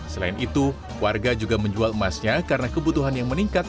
selain itu warga juga menjual emasnya karena kebutuhan yang meningkat